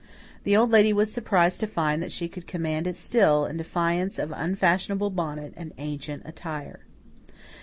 The Old Lady was surprised to find that she could command it still, in defiance of unfashionable bonnet and ancient attire.